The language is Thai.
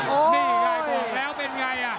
โอ๊ยนี่กายบอกแล้วเป็นไงอ่ะ